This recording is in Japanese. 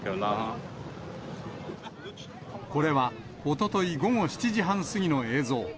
これはおととい午後７時半過ぎの映像。